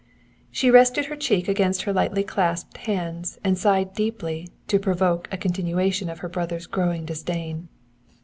She rested her cheek against her lightly clasped hands and sighed deeply to provoke a continuation of her brother's growling disdain.